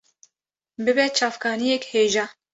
bibe çavkaniyek hêja